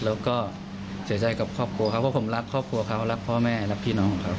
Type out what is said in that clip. แล้วก็เสียใจกับครอบครัวเขาเพราะผมรักครอบครัวเขารักพ่อแม่รักพี่น้องของเขา